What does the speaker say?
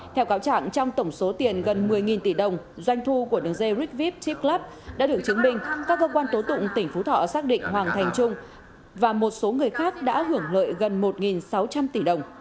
theo cáo trạng trong tổng số tiền gần một mươi tỷ đồng doanh thu của đường dây revip chiplub đã được chứng minh các cơ quan tố tụng tỉnh phú thọ xác định hoàng thành trung và một số người khác đã hưởng lợi gần một sáu trăm linh tỷ đồng